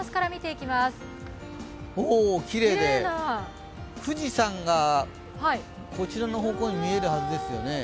きれいで、富士山がこちらの方向に見えるはずですよね。